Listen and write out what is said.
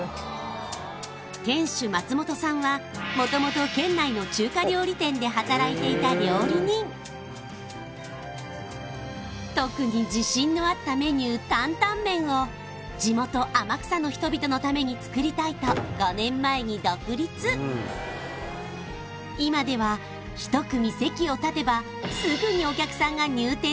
店主松本さんは元々県内の中華料理店で働いていた料理人特に自信のあったメニュー担々麺を地元天草の人々のために作りたいと今では１組席を立てばすぐにお客さんが入店するほど人気